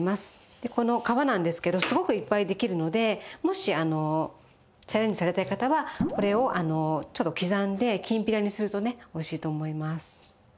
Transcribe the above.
でこの皮なんですけどすごくいっぱいできるのでもしチャレンジされたい方はこれをちょっと刻んできんぴらにするとねおいしいと思います。